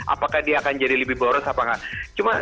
apakah dia akan jadi lebih boros apa enggak